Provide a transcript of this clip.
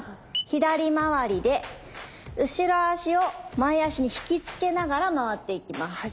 左回りで後ろ足を前足に引き付けながら回っていきます。